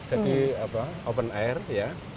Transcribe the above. jadi open air ya